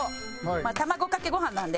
卵かけご飯なので。